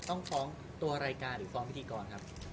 ต้องฟ้องตัวรายการหรือฟ้องพิธีกรครับ